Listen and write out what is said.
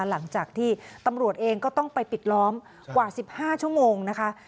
หลังจากที่ตำรวจเองก็ต้องไปปิดล้อมกว่า๑๕ชั่วโมงนะคะ